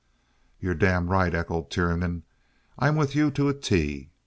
"You're damn right," echoed Tiernan. "I'm with you to a T."